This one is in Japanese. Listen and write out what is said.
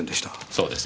そうですか。